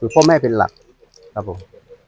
คือพ่อแม่เป็นหลักครับผม